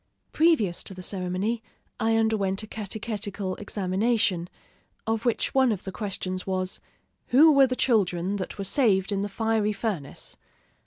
Previous to the ceremony, I underwent a catechetical examination, of which one of the questions was, "Who were the children that were saved in the fiery furnace?"